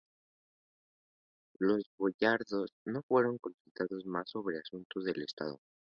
Los boyardos no fueron consultados más sobre asuntos del estado.